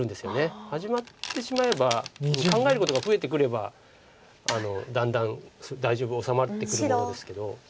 始まってしまえば考えることが増えてくればだんだん大丈夫収まってくるものですけど。